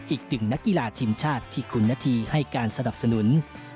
อีกหนึ่งนักกีฬาทีมชาติที่คุณนาธีให้การสนับสนุน